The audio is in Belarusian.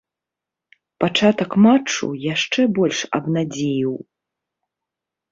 Пачатак матчу яшчэ больш абнадзеіў.